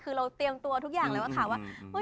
คือเราเตรียมตัวทุกอย่างแล้วก็ถามว่า